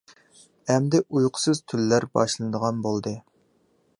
ئەمدى ئۇيقۇسىز تۈنلەر باشلىنىدىغان بولدى.